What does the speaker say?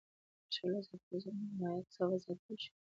د فشار له زیاتېدو سره د مایع کثافت زیاتېږي.